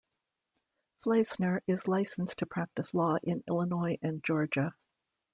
Fleissner is licensed to practice law in Illinois and Georgia.